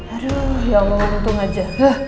aduh ya allah untung aja